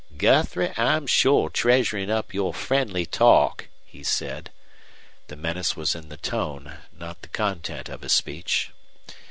"Guthrie, I'm shore treasurin' up your friendly talk," he said. The menace was in the tone, not the content of his speech.